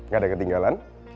gak ada ketinggalan